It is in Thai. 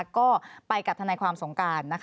ก็ไปกับทนายความสงการ